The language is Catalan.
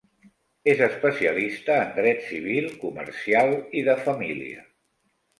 És especialista en dret civil, comercial i de família.